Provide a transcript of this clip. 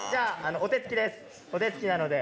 お手つきなので。